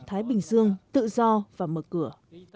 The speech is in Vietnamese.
thái bình dương tự do và mở cửa